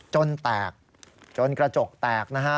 จนแตกจนกระจกแตกนะฮะ